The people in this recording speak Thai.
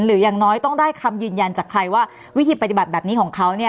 อย่างน้อยต้องได้คำยืนยันจากใครว่าวิธีปฏิบัติแบบนี้ของเขาเนี่ย